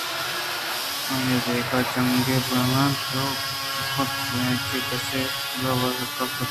آئی ءَ دگہ جنگے بندات نہ کُتگ ءُنئیکہ کسے ءِ اُگدہءُواک ہکّل کُتگ اَنت